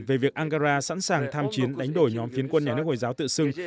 về việc ankara sẵn sàng tham chiến đánh đổi nhóm phiến quân nhà nước hồi giáo tự xưng